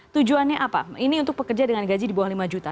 tujuannya apa ini untuk pekerja dengan gaji di bawah lima juta